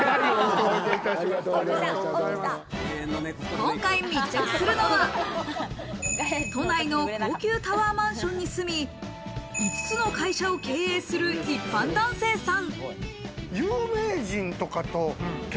今回、密着するのは、都内の高級タワーマンションに住み、５つの会社を経営する一般男性さん。